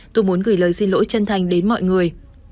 tôi muốn gửi lời xin lỗi chân thành đến mọi người